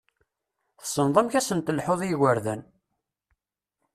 Tessneḍ amek ad sen-telḥuḍ i yigurdan!